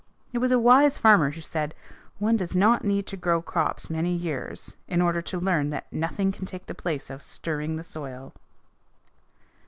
It was a wise farmer who said, "One does not need to grow crops many years in order to learn that nothing can take the place of stirring the soil."